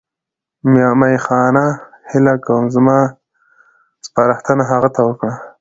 میاخانه هیله کوم زما سپارښتنه هغه ته وکړه.